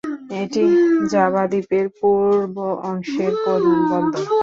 এটি জাভা দ্বীপের পূর্ব অংশের প্রধান বন্দর।